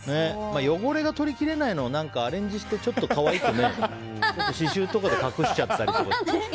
汚れが取り切れないのはアレンジして可愛く刺しゅうとかで隠しちゃったり。